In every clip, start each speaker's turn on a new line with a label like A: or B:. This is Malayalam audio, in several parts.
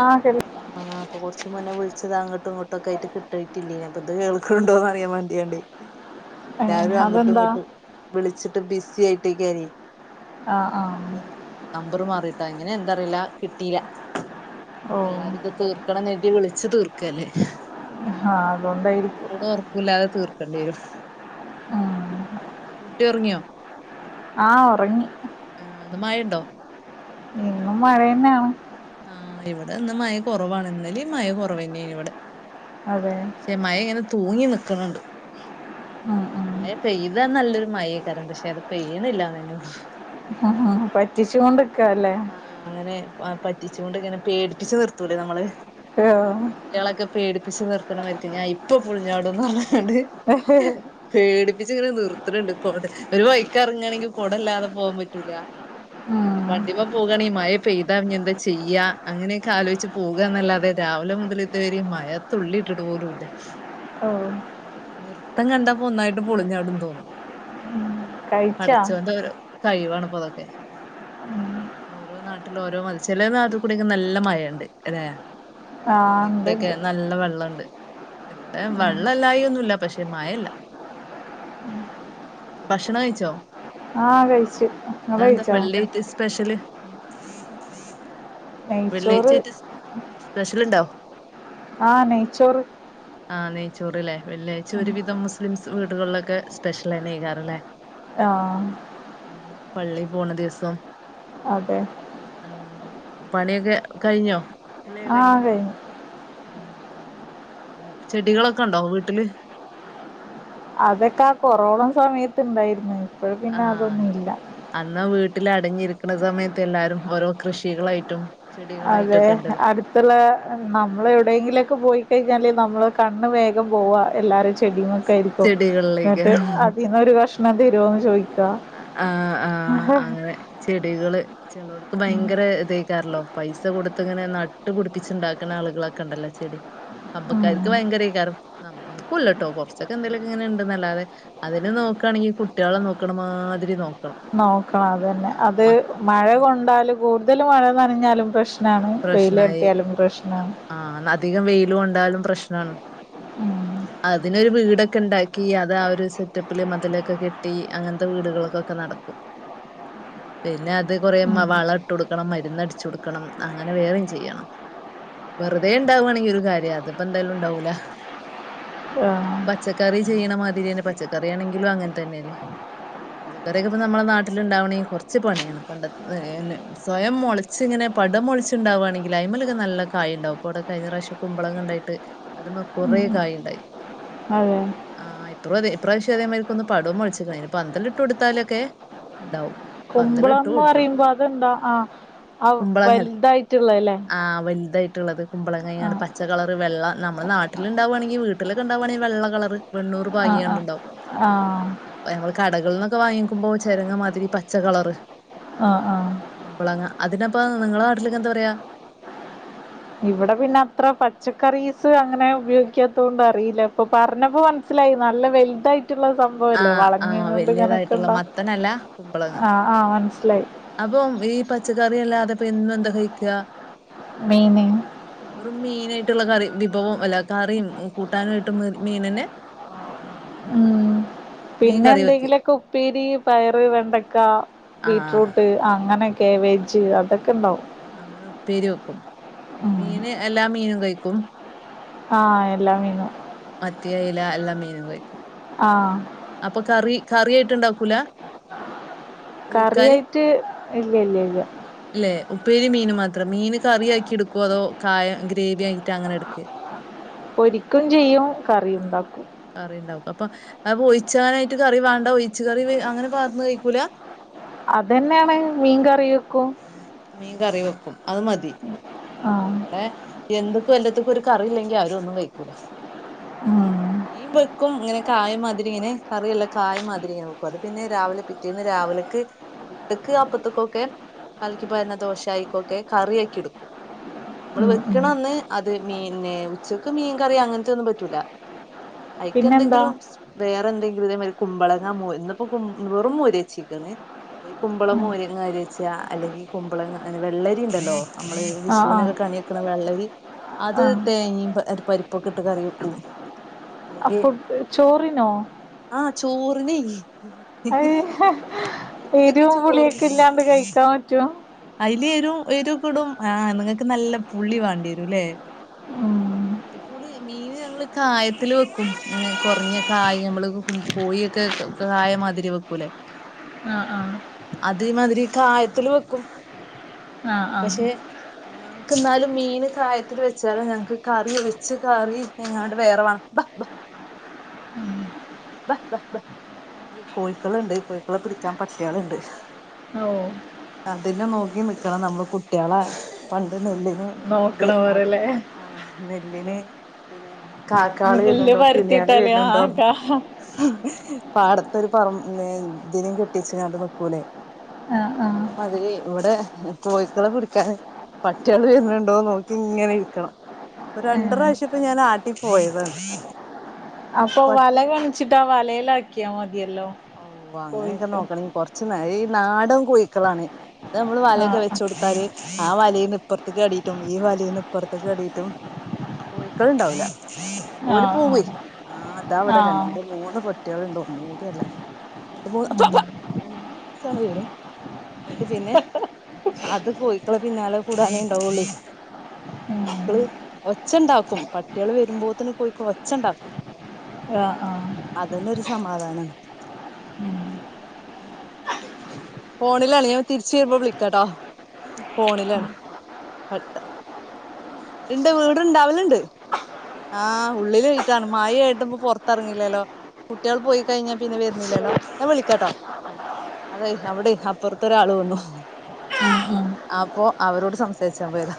A: ആഹ് കേ
B: ആഹ ആഹ് ഇപ്പോ കൊറച്ച് മുന്നേ വിളിച്ചതാ അങ്ങോട്ടും ഇങ്ങോട്ടും ഒക്കെയായിട്ട കിട്ടിട്ടില്ലേനു ആ അപ്പം ഇത് കേൾക്കുന്നുണ്ടോന്ന് അറിയാൻ വേണ്ടിയാണ്ടി എല്ലാരും അങ്ങോട്ടും
A: അതെന്താ
B: ഇങ്ങോട്ടും വിളിച്ചിട്ട് ബിസി ആയിട്ടിരിക്കാരി
A: ആഹ ആഹ
B: നമ്പർ മാറിയിട്ടോ എങ്ങനെ എന്താന്നറില്ല കിട്ടീല്ല
A: ഓ
B: എല്ലാരും ഇത് തീർക്കണംന്ന് ണ്ടി വിളിച്ചു തീർക്കല്ലേ
A: ആഹ്
B: പ്പൊ
A: അതുകൊണ്ടായിരിക്കും
B: ഊണും ഉറ ക്കുല്ലാതെ തീർക്കണ്ടി വരും
A: ഉം
B: കുട്ടി ഉറങ്ങിയോ
A: ആഹ ഉറങ്ങി
B: ആ ന്താ മയണ്ടോ
A: ഇന്നും മഴയന്നെയാണ്
B: ആ ഇവിടെ ഇന്ന് മയ കുറവാണ് ഇന്നലെയും മയ കുറവെന്നെനു ഇവിടെ
A: അതെ
B: മയ ഇങ്ങനെ തൂങ്ങി നിൽക്കണ് ണ്ട്
A: ഉം ഉം
B: മയ പെയ്താ നല്ലൊരു മയൊകാണ് പക്ഷെ അത് പെയ്യണില്ലാന്നന്നെ ഉള്ളൂ
A: ഹഹാ പറ്റിച്ചോണ്ടിക്ക അല്ലേ
B: ആഹ് അങ്ങനെ പറ്റിച്ചോണ്ട് ഇങ്ങനെ പേടിപ്പിച്ച് നിർത്തൂലേ നമ്മള്
A: ആഹ്
B: കുട്ടികളൊക്കെ പേടിപ്പിച്ച് നിർത്തണമായിരിക്ക ഞാൻ ഇപ്പൊ പൊളിഞ്ഞാടൂന്ന് പറഞ്ഞാണ്ട്
A: പറ്റിച്ചുകൊണ്ടിക്കാ അല്ലേ? ആഹ്
B: പേടിപ്പിച്ചിങ്ങനെ നിർത്തണണ്ട്‌ കൊട ഒരു വഴിക്ക് എറങ്ങണെങ്കി കൊടയില്ലാതെ പോകാൻ പറ്റൂല [unintelligible]
A: ഉം
B: വണ്ടിമ്മെ പോകാണെങ്കി മഴ പെയ്താ ഇനി എന്താ ചെയ്യാ? അങ്ങനെയൊക്കെ ആലോചിച്ച് പോക എന്നല്ലാതെ രാവിലെ മുതല് ഇതുവരിം മഴത്തുള്ളി ഇട്ടിട്ട് പോലുല്ല.
A: ആഹ്
B: നിർത്തം കണ്ടപ്പം ഒന്നായിട്ട് പൊളിഞ്ഞാടും തോന്നും.
A: കഴിച്ചാ
B: പടച്ചോൻ്റെ ഓരോ കഴിവാണിപ്പം അതൊക്കെ ഓരോ നാട്ടില് ഓരോ മാരി ചെലനാട്ടിൽ കൂടൊക്കെ നല്ല മഴണ്ട്ല്ലെ
A: ആഹ് ഉണ്ട്
B: ഇതീക്കൂടെക്കെ
A: ഉണ്ട്
B: നല്ല വെള്ളണ്ട് ഇവിടെ വെള്ളം ഇല്ലായികയൊന്നും ഇല്ല പക്ഷെ മഴ ഇല്ല ഭക്ഷണം കഴിച്ചോ?
A: ആഹ് കഴിച്ചു നിങ്ങള്
B: ഇന്നെന്താ
A: കഴിച്ചോ
B: വെള്ളിയായിട്ട് സ്പെഷ്യല്.
A: നെയ്ച്ചോറ്
B: വെള്ളിയാഴ്ചായിട്ട് സ്പെഷ്യൽ ഇണ്ടോ?
A: ആ നെയ്ച്ചോറ്
B: ആഹ് നെയ്ച്ചോറ്ല്ലേ വെള്ളിയാഴ്ച ഒരു വിധം മുസ്ലിംസ് വീടുകളിലൊക്കെ സ്പെഷ്യലന്നെ അയ്ക്കാരല്ലേ
A: ആഹ്
B: ഉം പള്ളിയിൽ പോണ ദിവസം
A: അതെ
B: ഉം പണി ഒക്കെ കഴിഞ്ഞോ കുളിയൊക്കെ കഴിഞ്ഞു. ഉം ഉം ചെടികളൊക്കെ ഉണ്ടോ വീട്ടില്
A: അതൊക്കെ ആ കൊറോണ സമയത്ത് ഉണ്ടായിരുന്നു
B: ആന്ന് അന്നാ വീട്ടിൽ അടഞ്ഞിരിക്കുന്ന സമയത്ത് എല്ലാരും ഓരോ കൃഷികളായിട്ടും
A: അതെ
B: ചെടികളായിട്ടൊക്കെ ഉണ്ടല്ലേ
A: അടു ത്തുള്ള നമ്മൾ എവിടെയെങ്കിലൊക്കെ പോയിക്കഴിഞ്ഞാലെ നമ്മള് കണ്ണ് വേഗം പോവ എല്ലാരും ചെ ടിമ്മക്കയ്രിക്കും എന്നിട്ട്
B: ചെടികളിലേക്കാരം
A: അതീന്നൊരു കഷ്ണം തരോന്ന് ചോയിക്ക
B: ആഹ് ആഹ് അങ്ങനെ ചെടികള് ചെലോർക്ക് ഭയങ്കര ഇതയ്ക്കാരല്ലോ പൈസ കൊടുത്ത് ഇങ്ങനെ നട്ട്പിടിപ്പിച്ചുണ്ടാക്കുന്ന ആളുകളൊക്കെ ഉണ്ടല്ലോ ചെടി
A: ഉം
B: കമ്പക്കാർക്ക് ഭയങ്കരയ്ക്കാരം [unintelligible] ഉം ഇൻക്കൂല്ലട്ടോ കൊറച്ചൊക്കെ എന്തെലൊക്കെ ഇങ്ങനെണ്ട്‌ന്നല്ലാതെ അതിനെ നോക്കാണെങ്കി കുട്ട്യാളെ നോ ക്ക്ണ മാതിരി നോക്കണം
A: നോക്കണം അതന്നെ
B: ആഹ്
A: അത്
B: മ
A: മഴ കൊണ്ടാല് കൂടുതൽ മഴ നനഞ്ഞാലും പ്രശ് നാണ്
B: പ്രശ്നായി
A: വെയിലട്ടിയാലും പ്രശ്‌നാണ്
B: ആഹ് ന്ന അധികം വെയില് കൊണ്ടാലും പ്രശ്നാണ്
A: ഉം
B: അതിനൊരു വീടൊക്കെ ഇണ്ടാക്കി അത് ആ ഒരു സെറ്റപ്പില് മതിലൊക്കെ കെട്ടി അങ്ങനത്തെ വീടുകള്ക്കൊക്കെ നടക്കും
A: [inaudible]
B: പിന്നത് കൊറേ വളം ഇട്ട് കൊടുക്കണം മരുന്നടിച്ചു കൊടുക്കണം അങ്ങനെ വേറെയും ചെയ്യണം വെറുതെ ഇണ്ടാവാണെങ്കി ഒരു കാര്യ അതിപ്പോ എന്തായാലും ഉണ്ടാവൂല്ല അത്
A: ആഹ്
B: പച്ചക്കറി ചെയ്യണ മാതിരെന്നെ പച്ചക്കറി ആണെങ്കിലും അങ്ങനെ തന്നല്ലേ പച്ചക്കറിക്കെ ഇപ്പ നമ്മളെ നാട്ടിലുണ്ടാവണെ കൊറച്ച് പണിയാണ് പണ്ടത്തെ ഏനെ സ്വയം മൊളച്ചിങ്ങനെ പടോം മൊളച്ചുണ്ടാവാണെങ്കില് അയിമ്മലൊക്കെ നല്ല കായിണ്ടാവും പ്പോ വ്ടെ കഴിഞ്ഞ പ്രാവ്യശം കുമ്പളങ്ങ ഉണ്ടായിട്ട് അതുമ്മെ കുറെ കായിണ്ടായി
A: അതെ
B: ആഹ് ഇപ്പറുതെ ഇപ്രാവശ്യം അതേമാതിരിക്ക്‌ ഒന്ന് പടോം മൊളച്ചിക്ക്‌ണ് അയിന് പന്തല് ഇട്ട് കൊടുത്താലൊക്കെ ഇണ്ടാവും
A: കുമ്പളംന്ന് പറയുമ്പോ അതെന്താ ആ അ വലുതായിട്ടുള്ളല്ലേ
B: ആ വലുതായിട്ടുള്ളത് കുമ്പളങ്ങ ങ്ങനാണ്
A: ആഹ്
B: പച്ച കളറ് വെള്ള നമ്മള് നാട്ടിലുണ്ടാവാണെങ്കി വീട്ടിലൊക്കെ ഉണ്ടാവുവാണെ വെള്ളക്കളറ് വെണ്ണൂറ്
A: ആഹ് ആഹ്
B: ഭാഗ്യാണ്ടിണ്ടാവും
A: ആഹ്
B: നമ്മള് കടകളന്നൊക്കെ വാങ്ങിക്കുമ്പോ ചെറങ്ങ മാതിരി പച്ച കളറ്
A: ആ ആ
B: കുമ്പളങ്ങ അതിനിപ്പോ നിങ്ങളെ നാട്ടിലേക്ക് എന്താ പറയാ
A: ഇവിടെ പിന്നെ അത്ര പച്ചക്കറീസ് അങ്ങനെ ഉപയോഗിക്കാത്തോണ്ട് അറിയില്ല ഇപ്പൊ പറഞ്ഞപ്പോ മ സ്സിലായി നല്ല വലുതായിട്ടുള്ള സംഭവല്ലേ
B: ആഹ്
A: വളഞ്കൊ
B: ആഹ്
A: ണ്ട് ഇങ്ങനെ ക്
B: വലിയതായിട്ടുള്ള
A: ണ്ടാവും
B: മത്തനല്ല
A: ആ മനസ്സിലായി
B: അപ്പൊ ഈ പച്ചക്കറി അല്ലാതെപ്പ എന്നും എന്താ കഴിക്കുക
A: മീന്
B: ഒറു മീനായിട്ടുള്ള കറി വിഭവം അല്ല കറിയും കൂട്ടാനുയിട്ട് മീനന്നെ
A: ഉം
B: മീൻ
A: പിന്നെ
B: കറി വെക്ക്
A: എന്തെങ്കിലൊക്കെ ഉപ്പേരി പയറ് വെണ്ടക്ക
B: ആഹ്
A: ബീറ്റ്റൂട്ട് അങ്ങനെ കാവേജ് അതൊക്കെണ്ടാവും
B: അങ്ങനെ ഉപ്പേരി വെക്കും
A: ഉം
B: മീന് എല്ലാ മീനും കഴിക്കും
A: ആ എല്ലാം മീനും
B: മത്തി അയില എല്ലാം മീനും കഴിക്കും
A: ആ
B: അപ്പൊ കറി കറിയായിട്ട് ഇണ്ടാക്കൂല ഒഴിക്കാന്
A: കറിയായിട്ട് ഇല്ലല്ലല്ല
B: ഇല്ലേ ഉപ്പേരി മീന് മാത്രം മീന് കറിയാക്കി എടുക്കുവോ അതോ കായം ഗ്രേവി ആയിട്ടാ അങ്ങനെ എടുക്ക്
A: പൊരിക്കും ചെയ്യും കറി
B: ആഹ്
A: ഇണ്ടാക്കും
B: കറി ഇണ്ടാവും അപ്പൊ അപ്പൊ ഒഴിച്ചാനായിട്ട് കറി വേണ്ട ഒഴിച്ച് കറി അങ്ങനെ പാന്ന് കഴിക്കൂല
A: അതന്നെണ് മീൻ കറി വെക്കും
B: മീൻ കറി വെക്കും അത് മതി
A: ആഹ്
B: ഇവടെ എന്ത്ക്കു എല്ലത്തുക്കും ഒരു കറിയില്ലെങ്കി ആരു ഒന്നു കൈകൂലാ
A: ഉം
B: മീൻ വ ക്കും ങ്ങനെ കായമാതിരിങ്ങെനെ കറിയുള്ള കായമാതിരി ങ്ങനെ വെക്കും അത് പിന്നെ രാവിലെ പിറ്റേന്ന് രാവിലക്ക് പുട്ടക്ക് അപ്പത്ത്ക്കൊക്കെ കലക്കി പാര്ണ ദോശ അയ്ക്കൊക്കെ കറിയാക്കിട്ക്കും മ്മള്
A: ഉം ഉം
B: വെക്കന്ന് അത് മീന്നെ ഉച്ചക്ക് മീൻ കറി അങ്ങനത്തെ ഒന്നും പറ്റൂല
A: പിന്നെന്താ
B: അയിക്കെന്തെങ്കിലും വേറെന്തെങ്കിലും തേമാതിരി കുമ്പളങ്ങ മൂ ഇിന്നിപ്പോ വെറും മോരേച്ചിക്കാണ് നി കുമ്പളം മോരിങ്ങ കരി വെച്ചാ അല്ലെങ്കി കുമ്പളങ്ങ വെള്ളരി ണ്ടല്ലോ? നമ്മള്
A: ആഹ്
B: വിഷുവിനൊക്കെ
A: ആഹ്
B: കണി വെക്കണ വെള്ളരി അത്
A: ആഹ്
B: തേങ്ങി പരിപ്പൊക്കെ ഇട്ട് കറി വെക്കും ഇല്ലെങ്കി
A: അപ്പൊ ചോറിനോ
B: ആഹ് ചോറിനെയ്
A: എരുവും പുളിയൊക്കെ
B: ചോറിന്
A: ഇല്ലാണ്ട് കയിക്കാൻ പറ്റോ
B: അയില് എരും എരൊക്കെടും ആഹ് നിങ്ങക്ക് നല്ല പുള്ളി വേണ്ടിയരുല്ലേ
A: ഉം
B: ന്റെ പുളി മീന് ഞങ്ങള് കായത്തില് വെക്കും ങ്ങനെ കൊറഞ്ഞ കായ മ്മള് കോഴിയൊക്കെ ക്ക കായമാതിരി വെക്കൂലേ
A: ആ
B: അതേമാതിരി കായത്തില് വെക്കും
A: ആഹ് ആഹ്
B: പക്ഷെ ഞങ്ങക്ക് ന്നാലും മീന് കായത്തില് വെച്ചാലെ ഞങ്ങക്ക് കറി വെച്ച് കറി എങ്ങാണ്ട് വേറെ വാണം ബാ ബാ
A: ഉം
B: കോയ്ക്കളുണ്ട് കോയ്ക്കളെ പിടിക്കാൻ പട്ട്യാള്ണ്ട്
A: ഓഹ്
B: അതിനെ നോക്കി നിക്കണം നമ്മള് കുട്ട്യാളെ പണ്ട് നെല്ല് [unintelligible] ഇത്
A: നോക്കണ
B: ആടി
A: പോലല്ലേ
B: ആഹ് നെല്ലിന് പിന്നെ കാക്കാള്
A: നെല്ല്
B: വെര്ന്നുണ്ടോ കിളിയേള്
A: പരത്തിയിട്ടാല്
B: വെര്ന്നുണ്ടോ
A: ആഹ് കാ
B: പാടത്തൊരു പറം നെ ഇതിനേം കെട്ടി വെച്ചാണ്ട് നിക്കൂലെ?
A: ആഹ് ആഹ്
B: അതേ മാതിരി ഇവടെ കോയ്ക്കളെ പിടിക്കാന് പട്ട്യേള് വെര്ന്നുണ്ടോ നോക്കി ഇങ്ങനെ ഇരിക്കണം ഇപ്പ രണ്ട്
A: ഏഹ്
B: പ്രാവശ്യപ്പൊ ഞാൻ നാട്ടി പോയതാണ്
A: അപ്പൊ
B: പ
A: വല കാണിച്ചിട്ടാ വലേലാക്കിയാ മതിയല്ലോ?
B: ഔ അങ്ങനെക്കെ
A: കോഴിക്കോ
B: നോക്കണെ കൊറച്ച് നേ ഈ നാടൻ കോയ്ക്കളാണ് അത് നമ്മള് വലെക്കെ
A: ആഹ് ആഹ്
B: വെച്ചോട് ട്ടാല് ആ വലെന്ന് ഇപ്പൊർത്ത്ക്ക് ചാടീട്ടും ഈ വലേന്ന് ഇപ്പർത്ത്ക്ക് ചാടീറ്റും കോയ്ക്കള്ണ്ടാവൂല്ല ഓല് പോവേയ്‌
A: ആഹ്
B: ആ ഇതാ
A: ആഹ്
B: ഇവടെ
A: ആഹ്
B: രണ്ട് മൂന്ന് പട്ട്യേള്ണ്ട് ഒന്നും കൂടിയല്ല രണ്ട് മൂന്ന് ഒന്നിച്ചാണ് വരും ഇന്നിട്ട് പിന്നെ അത് കോയ്ക്കളെ പിന്നാലെ കൂടാനേ ഇണ്ടാവുള്ളെയ്
A: ഉം
B: കോയ്ക്കള് ഒച്ച ഇണ്ടാക്കും പട്ട്യേള് വരുമ്പോത്തന് കോയ്ക്ക ഒച്ച ഇണ്ടാക്കും
A: ആഹ് ആഹ്
B: അതന്നൊരു സമാധാനാ ഫോണിലാണ് ഞാൻ തിരിച്ച് വെരുമ്പോ വിളിക്കാട്ടോ ഫോണിലാണ് [unintelligible] ഇണ്ട് വീട്ണ്ടാവലുണ്ട് ആഹ് ഉള്ളിലായിട്ടാണ് മയെ ആയിട്ട് ഇപ്പോ പൊറത്തെറങ്ങില്ലല്ലോ? കുട്ട്യേള് പോയി കയിഞ്ഞാ പിന്നെ വെര്ന്നില്ലല്ലോ ഞാൻ വിളിക്കാട്ടോ ആഹ് അതെയ് അവടെയ് അപ്പൊറത്തൊരാള് വന്നു
A: ഉം ഉം
B: അപ്പൊ അവരോട് സംസാരിച്ചാൻ പോയതാ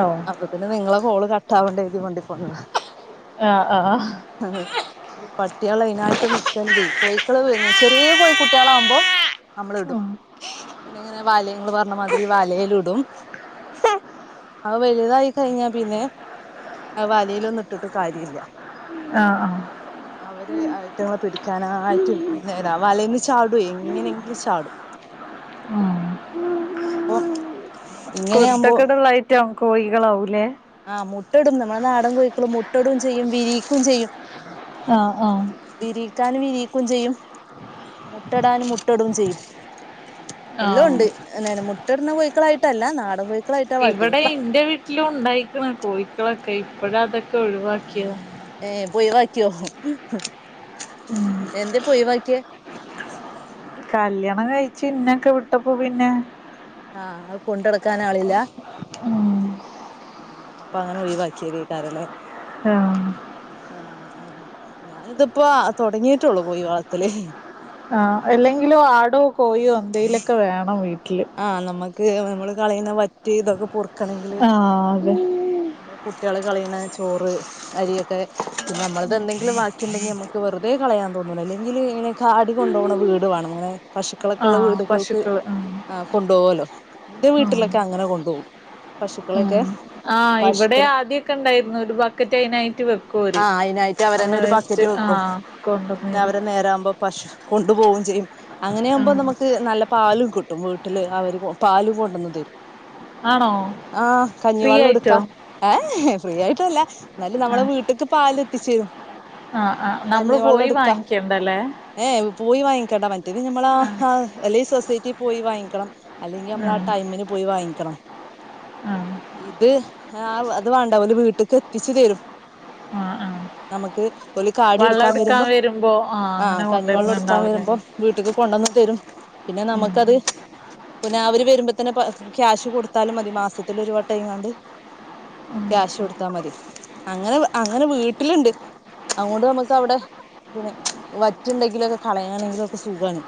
A: ഓഹ്
B: അപ്പത്തിന് നിങ്ങളെ കോള് കട്ടാവണ്ട കരുതി മണ്ടി പോന്നതാ
A: ആഹ് ആഹ്
B: അതെ ഈ പട്ടിയാള് അയിനായിട്ട് നിക്കണ്ടെ കോഴിക്കള് [unintelligible] ചെറിയ കോഴി കുട്ട്യാള് ആവുമ്പോ നമ്മള് ഇടും പിന്നെ ഇങ്ങനെ വലെങ്ങള് ഇങ്ങള് പറഞ്ഞ മാതിരി വലേലിടും. അത് വലുതായി കഴഞ്ഞാ പിന്നെ അത് വലയിലൊന്നും ഇട്ടിട്ട് കാര്യല്ല
A: ആഹ് ആഹ്
B: അവര് ഐറ്റങ്ങളെ പിടിക്കാനായിട്ട് നേരാ വലേന്ന് ചാടുവേ എങ്ങനെയെങ്കിലും ചാടും
A: ഉം
B: അപ്പൊ ഇങ്ങനെയാവുമ്പോ
A: കുരുത്തക്കെട് ഇള്ള ഐറ്റം കോഴികളാവൂല്ലേ
B: ആഹ് മുട്ടടും നമ്മളെ നാടൻ കോഴിക്കൾ മുട്ടടും ചെയ്യും വിരിക്കും ചെയ്യും
A: ആഹ് ആഹ്
B: വിരിക്കാൻ വിരിക്കും ചെയ്യും മുട്ടടാൻ മുട്ടടും ചെയ്യും എല്ലോം
A: ആഹ്
B: ഉണ്ട് [unintelligible] മുട്ടട്ന്ന കോഴിക്കളായിട്ടല്ല നാടൻ കോയി
A: ഇവിടെ ഇന്റെ വീട്ടിലു ഉണ്ടായിക്കണ് കോഴിക്കളൊക്കെ ഇപ്പഴാ അതൊക്കെ ഒഴിവാക്കിയെ
B: ഏഹ് ഇപ്പ ഒയിവാക്കിയോ എന്തേ ഇപ്പ ഒയിവാക്കിയെ
A: കല്യാണം കയിച്ച് ഇന്നൊക്കെ വിട്ടപ്പോ പിന്നെ
B: ആഹ് അത് കൊണ്ടടക്കാൻ ആളില്ല ആഹ് അപ്പ അങ്ങനെ ഒയിവാക്കിയെ തേക്കാരം ല്ലേ
A: ആഹ്
B: ആഹ് ആഹ് ഞാനിതപ്പോ ആഹ് തൊടങ്ങിട്ടുള്ളൂ കോയി വളത്തല്
A: ആഹ് അല്ലെങ്കിലോ ആടോ, കോയോ എന്തേലൊക്കെ വേണം വീ
B: ആഹ നമ്മക്ക് നമ്മള് കളയുന്ന വറ്റ് ഇതൊക്കെ പൊറുക്കണങ്കില്
A: ആഹ് അതെ
B: നമ്മള് കുട്ട്യാള് കളിണ ചോറ് അരിയൊക്കെ പിന്നെ നമ്മളത് എന്തെങ്കിലും ബാക്കിണ്ടെങ്കി നമുക്ക് വെറുതെ കളയാൻ തോന്നു ല്ല അല്ലെങ്കില് ഇ കാടി കൊണ്ടണ വീട് വേണം ഇങ്ങനെ പശുക്കളൊക്കെ ഉള്ള
A: ആഹ്
B: വീട്കൾക്ക്
A: പശുക്കള്
B: ആഹ് കൊണ്ടോവുല്ലോ എന്റെ
A: ആഹ്
B: വീട്ടിലൊക്കെ അങ്ങനെ കൊണ്ടോകും
A: ഉം
B: പശുക്കളെക്കെ
A: ആഹ് ഇവടെ ആദ്യൊക്കെ ഉണ്ടായിരുന്നു ഒരു ബക്കറ്റ് അതിനായിറ്റ് വെ
B: ആഹ് അയിനായിട്ട് അവരന്നെ ഒരു ബക്കറ്റ് വെക്കും
A: ആഹ്
B: പിന്നെ
A: കൊണ്ടന്നേരും
B: അവര് നേരാകുമ്പോം പശു കൊണ്ടു പോവും ചെയ്യും അങ്ങനെയാകുമ്പോ
A: ആഹ്
B: നമ്മക്ക് ക്ക് നല്ല പാലും കിട്ടും വീട്ടില് അവര് പാലും കൊണ്ടന്ന് തരും
A: ആണോ
B: ആഹ്
A: ഫ്രീ
B: കഞ്ഞിവെള്ളം
A: ആയിട്ടോ
B: ഇട്ക്കാ ഏ ഫ്രീ ആയിട്ടല്ല ന്നാലും നമ്മളെ
A: ആഹ്
B: വീട് ക്ക് പാൽ എത്തിച്ചരും
A: ആഹ് ആഹ് നമ്മൾ പോയി വാങ്ങിക്കേണ്ട ല്ലേ
B: ഏ പോയി വാങ്ങിക്കണ്ട മറ്റേത് നമ്മള അല്ലെ സൊസൈറ്റിൽ പോയി വാങ്ങിക്കണം അല്ലെങ്കി നമ്മൾ ആ
A: ആഹ്
B: ടൈമിന് പോയി വാങ്ങിക്കണം
A: ആഹ്
B: ഇത് ആഹ് അത് വേണ്ട വീട്ട്ക്ക് എത്തിച്ച് തരും
A: ആഹ് ആഹ്
B: നമക്ക് ഓൽ കാടി
A: വള്ളം
B: ടുക്കാൻ
A: എടുക്കാൻ
B: വരുമ്പോ
A: അങ്ങനെ
B: ആഹ് കഞ്ഞി വെള്ളം എടുക്കാ
A: കൊണ്ടുവരുന്നുണ്ടാവൂലേ
B: വരുബം വീട്ട്ക്ക് കൊണ്ടന്ന്തരും പിന്നെ
A: ഉം
B: നമുക്കത് പിന്നെ അവര് വരുമ്പോത്തന്നെ ക്യാഷ് കൊടുത്താലും മതി മാസത്തിലരു വട്ടം ആയികണ്ട്
A: ഉം
B: ക്യാഷ് കൊടുത്താ മതി അങ്ങനെ അങ്ങനെ വീട്ടിൽ ണ്ട് അതുകൊണ്ട് നമുക്ക് അവിടെ പിന്നെ വറ്റുണ്ടെങ്കിൽ കളയാ യാണെങ്കിൽ ക്കെ സുഖാണ്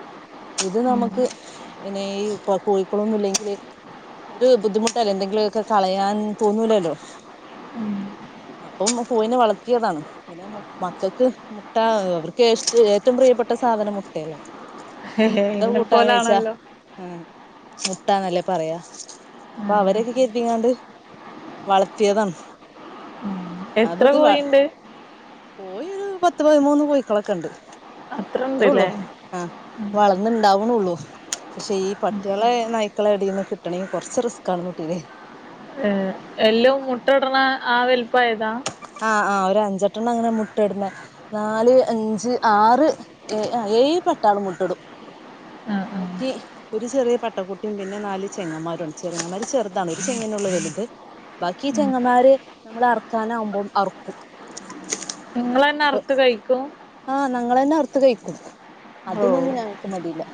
B: ഇത്
A: ഉം
B: നമക്ക് പിന്നെ ഈ കോഴിക്കളൊന്നും ഇല്ലെങ്കില് ഒരു ബുദ്ധിമുട്ടല്ലേ എന്തെങ്കിലൊക്കെ കളയാൻ തോന്നൂലല്ലോ അപ്പം മ്മ കോഴിനേ വളതിയതാണ് മക്കക്ക് മുട്ട അവർക്ക് ഏറ്റവും പ്രിയപ്പെട്ട സാധനം മുട്ടയല്ലേ എന്താ
A: എന്നെ
B: കൂട്ടാന്ന് ചോച്ചാ
A: പോലാണല്ലോ
B: ആഹ് മുട്ടന്നല്ലേ പറയാ അപ്പൊ
A: ഉം
B: അവരൊക്കെ കെർത്തിങ്ങാണ്ട് വളർത്തിയതാണ്
A: ഉം എത്ര
B: അപ്പത്
A: കോഴിണ്ട്
B: കോഴൊരു പത്ത് പതിമൂന്ന് കോഴക്കളൊക്കെ ഇണ്ട് അത്രേ ഉള്ളൂ
A: അത്രണ്ട്ല്ലേ
B: ആഹ് വളർന്ന്ണ്ടാവുണള്ളൂ പക്ഷെ ഈ പട്ടികളെ നായ്ക്കള എടീന്ന് കിട്ടണെങ്കി കൊറച്ച് റിസ്ക് ആണ് കുട്ടീല്ലേ
A: ഏ എലം മുട്ടടണ ആഹ് വലപ്പമായതാ
B: ആഹ് ആഹ് ഒരു അഞ്ചെട്ടെണ്ണം അങ്ങനെ മുട്ട ഇടുന്ന നാല് അഞ്ച് ആറ് ഏ ഏയ് പട്ടാളും മുട്ടടും
A: ആ ആ
B: ബാക്കി ഒരു ചെറിയ പട്ടക്കുട്ടിയും പിന്നെ നാല് ചെങ്ങന്മാരുണ്ട് ചെറങ്ങമാര് ചെറുതാണ് ഒരു ചെങ്ങനുള്ളു വല്ത് ബാക്കി ചെങ്ങമാര് നമ്മള് അറക്കാനാവകുമ്പോം അറക്കും
A: നിങ്ങളന്നെ അറ്ത്ത് കഴിക്കും
B: ആഹ് ഞങ്ങൾ തന്നെ അർത്ത് കഴിക്കും
A: ഓ
B: അതിനൊന്നും ഞങ്ങക്ക് മടിയില്ല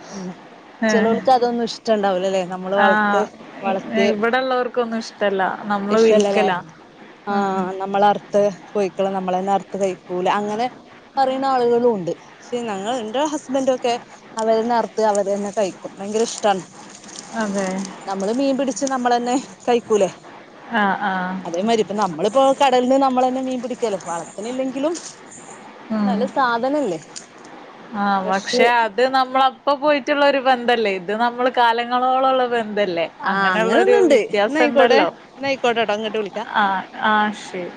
A: ഏ
B: ചെല്ലോല്ക്ക് അതൊന്നും ഇഷ്ടണ്ടാവില്ല ല്ലേ നമ്മള്
A: ആ
B: വളർത്ത് വളർത്തി
A: ഇവിടെള്ളവർക്കൊന്നും ഇഷ്ടല്ല നമ്മള്
B: ഇഷ്ടല്ലല്ലേ
A: വിൽക്കലാ ഉം
B: ആഹ് നമ്മള അർത്ത കോയിക്കള നമ്മള തന്നെ അറത്ത് കഴിക്കൂല അങ്ങനെ പറയുന്ന ആളുകളും ഉണ്ട് പക്ഷെ ഞങ്ങൾ എന്റെ ഹസ്ബൻറ ഒക്കെ അവരനെ അർ അവര് തന്നെ കഴിക്കും ഭയങ്കര ഇഷ്ടാണ്
A: അതെ
B: നമ്മള് മീൻ പിടിച്ച് നമ്മളന്നെ കഴിക്കൂലേ
A: ആഹ് ആഹ്
B: അതേമാതി ഇപ്പ നമ്മളിപ്പോ കടലിൽ നിന്ന് നമ്മള തന്നെ മീൻ പിടിക്കല്ലെ വളത്തിനില്ലെങ്കിലും പക്ഷെ നല്ല സാധനല്ലേ
A: ആഹ
B: ഫ്രഷ്
A: പക്ഷെ അത് നമ്മള ഇപ്പൊ പോയിട്ടുള്ള ഒരു ബന്ധല്ലേ ഇത് നമ്മള് കാലങ്ങളോളള്ള ബന്ധ അല്ലേ
B: ആ
A: അങ്ങനെയുള്ളൊരു
B: അങ്ങനൊന്നുണ്ട്
A: വ്യത്യാസം
B: ന്നായിക്കോട്ടെ
A: ഉണ്ടല്ലോ
B: ന്നായിക്കോട്ടെട്ടോ ഇങ്ങട്ട് വിളിക്കാ
A: ആഹ ആ ശരി